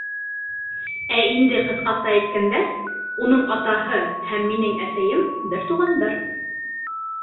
Ә инде ҡыҫҡаса әйткәндә, уның атаһы һәм минең әсәйем - бер туғандар